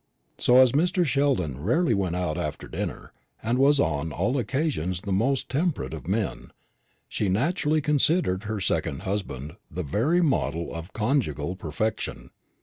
So, as Mr. Sheldon rarely went out after dinner, and was on all occasions the most temperate of men, she naturally considered her second husband the very model of conjugal perfection.